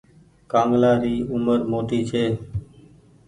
ڪآنگلآ ري اومر موٽي ڇي۔